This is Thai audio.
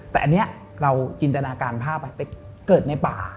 แต่อันนี้เราจินตนาการภาพไปไปเกิดในป่า